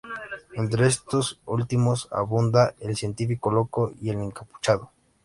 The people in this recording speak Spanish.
Entre estos últimos, abunda el científico loco y el encapuchado.